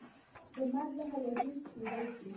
د مار زهر وژونکي کیدی شي